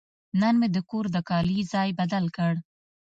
نن مې د کور د کالي ځای بدل کړ.